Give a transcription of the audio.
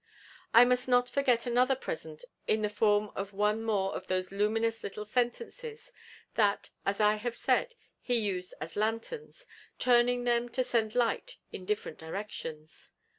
I must not forget another present in the form of one more of those luminous little sentences that, as I have said, he used as Lanterns, turning them to send light in different directions.